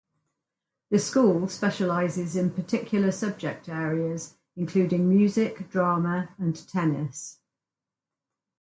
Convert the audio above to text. The school specialises in particular subject areas, including music, drama, and tennis.